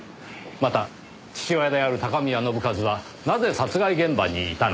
また父親である高宮信一はなぜ殺害現場にいたのか。